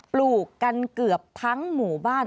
ปลูกกันเกือบทั้งหมู่บ้าน